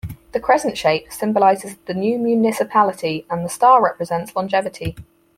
The crescent shape symbolizes the new municipality, and the star represents longevity.